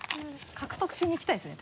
獲得しにいきたいですね